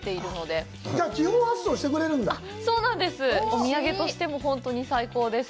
お土産としても本当に最高です。